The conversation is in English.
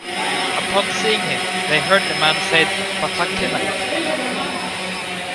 Upon seeing him, they heard the man said Batakennak!